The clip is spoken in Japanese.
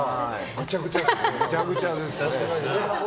ぐちゃぐちゃですね。